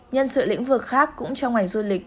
nhân sự lĩnh vực khác cũng trong ngành du lịch